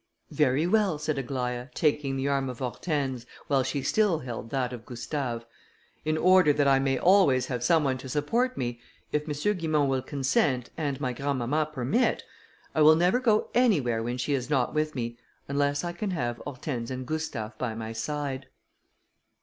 "Very well," said Aglaïa, taking the arm of Hortense, while she still held that of Gustave, "in order that I may always have some one to support me, if M. Guimont will consent, and my grandmamma permit, I will never go anywhere when she is not with me, unless I can have Hortense and Gustave by my side."